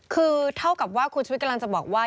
คือเท่ากับว่าคุณชุวิตกำลังจะบอกว่า